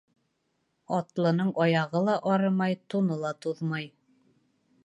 Атлының аяғы ла арымай, туны ла туҙмай.